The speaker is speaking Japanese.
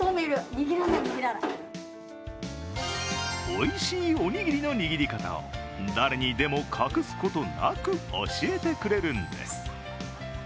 おいしいおにぎりの握り方を誰にでも隠すことなく教えてくれるんです。